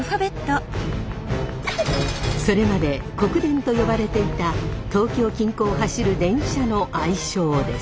それまで国電と呼ばれていた東京近郊を走る電車の愛称です。